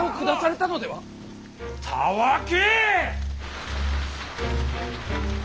たわけ！